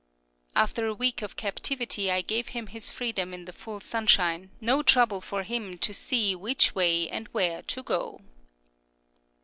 After a week of captivity I gave him his freedom in the full sunshine; no trouble for him to see which way and where to go.